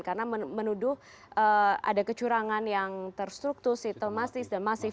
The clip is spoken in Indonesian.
karena menuduh ada kecurangan yang terstruktur sitomasis dan masif